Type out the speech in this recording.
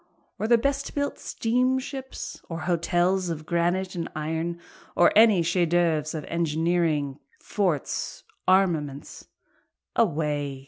or the best built steamships? Or hotels of granite and iron? or any chef d'oeuvres of engineering, forts, armaments? Away!